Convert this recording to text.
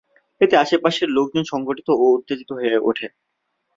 এতে আশেপাশের লোকজন সংগঠিত ও উত্তেজিত হয়ে ওঠে।